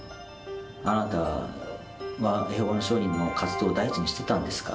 あなたはエホバの証人の活動を第一にしてたんですか？